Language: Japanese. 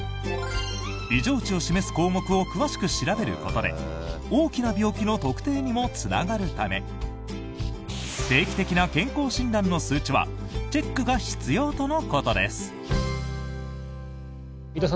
異常値を示す項目を詳しく調べることで大きな病気の特定にもつながるため定期的な健康診断の数値はチェックが必要とのことです。